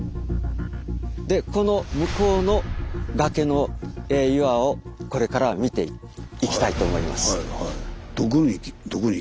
でこの向こうの崖の岩をこれから見ていきたいと思います。